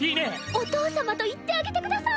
お父様と言ってあげてください！